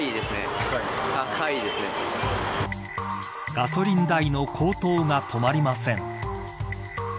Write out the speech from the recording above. ガソリン代の高騰が止まりません。